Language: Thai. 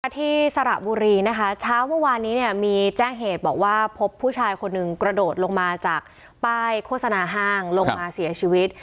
ที่สระบุรีนะคะเช้าเมื่อวานนี้เนี่ยมีแจ้งเหตุบอกว่าพบผู้ชายคนหนึ่งกระโดดลงมาจากป้ายโฆษณาห้างลงมาเสียชีวิต